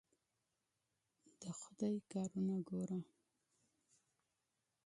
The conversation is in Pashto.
د خدای کارونه ګوره.